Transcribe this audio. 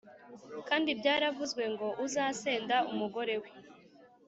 “Kandi byaravuzwe ngo ‘Uzasenda umugore we